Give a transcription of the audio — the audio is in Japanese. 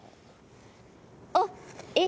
あっえっ。